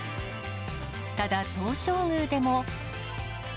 ただ、東照宮でも。